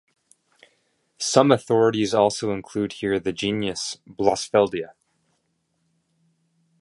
Some authorities also include here the genus "Blossfeldia".